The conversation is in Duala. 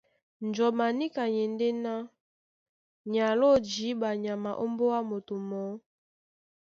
Njɔm a níka ni e ndé ná ni aló jǐɓa nyama ómbóá moto mɔɔ́.